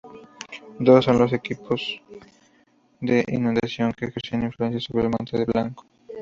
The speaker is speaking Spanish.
Dos son los tipos de inundación que ejercen influencia sobre el monte blanco.